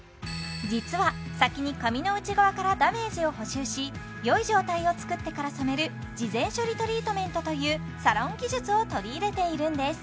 実は先に髪の内側からダメージを補修し良い状態をつくってから染める事前処理トリートメントというサロン技術を取り入れているんです